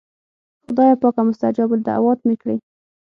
خدایه پاکه مستجاب الدعوات مې کړې.